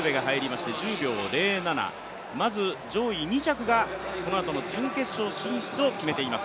、３着にオグンレベが入りまして、１０秒０７、まず上位２着がこのあとの準決勝進出を決めています。